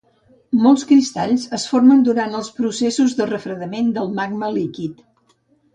Molts cristalls es formen durant els processos de refredament del magma líquid.